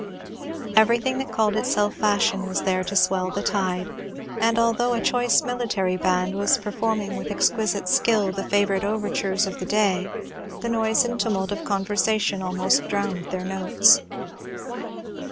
Everything that called itself Fashion was there to swell the tide; and although a choice military band was performing with exquisite skill the favorite overtures of the day, the noise and tumult of conversation almost drowned their notes.